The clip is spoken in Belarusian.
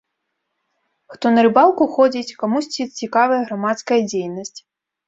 Хто на рыбалку ходзіць, камусьці цікавая грамадская дзейнасць.